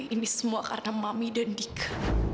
ini semua karena mami dan dika